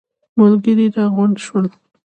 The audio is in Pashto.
ملګري راغونډ شول.